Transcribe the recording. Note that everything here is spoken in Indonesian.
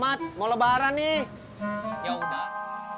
mat mau lebaran nih ya udah